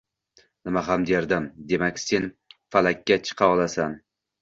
— Nima ham derdim, demak, sen Falakka chiqa olasan